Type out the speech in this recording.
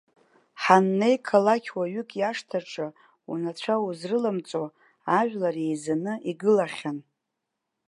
Ҳаннеи, қалақьуаҩык иашҭаҿы унацәа узрыламҵо ажәлар еизаны игылахьан.